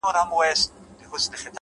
د وخت درناوی د ژوند درناوی دی,